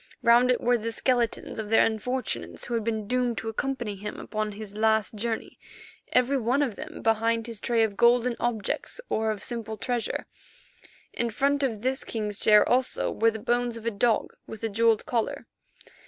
Round it were the skeletons of the unfortunates who had been doomed to accompany him upon his last journey, every one of them behind his tray of golden objects, or of simple treasure. In front of this king's chair also were the bones of a dog with a jewelled collar.